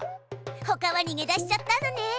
ほかはにげ出しちゃったのね。